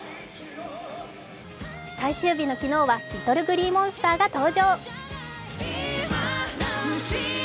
最終日の昨日はＬｉｔｔｌｅＧｌｅｅＭｏｎｓｔｅｒが登場。